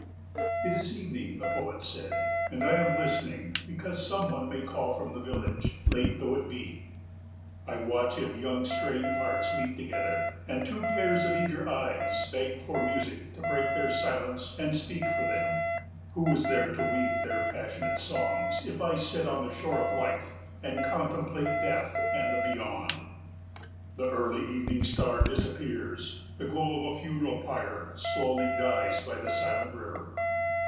"It is evening," the poet said, "and I am listening because some one may call from the village, late though it be. "I watch if young straying hearts meet together, and two pairs of eager eyes beg for music to break their silence and speak for them. "Who is there to weave their passionate songs, if I sit on the shore of life and contemplate death and the beyond? "The early evening star disappears. "The glow of a funeral pyre slowly dies by the silent river.